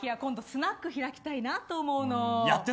スナック開きたいと思うの。